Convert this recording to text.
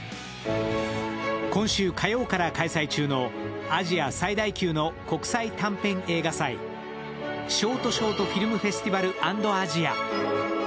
今週火曜から開催中のアジア最大級の国際短編映画祭、ショートショートフィルムフェスティバル＆アジア。